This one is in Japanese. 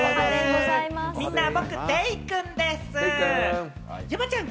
みんな僕、デイくんでぃす！